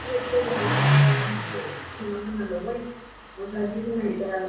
A sugerencia de Tudor, Young comenzó una correspondencia con Cage.